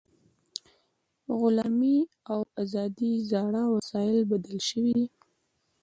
د غلامۍ او ازادۍ زاړه وسایل بدل شوي دي.